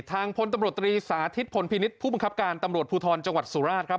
พลตำรวจตรีสาธิตพลพินิษฐ์ผู้บังคับการตำรวจภูทรจังหวัดสุราชครับ